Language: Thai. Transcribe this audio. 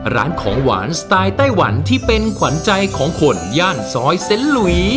ร้านของหวานสไตล์ไต้หวันที่เป็นขวัญใจของคนย่านซอยเซ็นหลุย